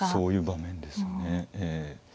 そういう場面ですよね。